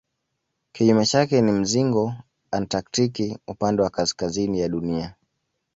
Kinyume chake ni mzingo antaktiki upande wa kaskazini ya Dunia.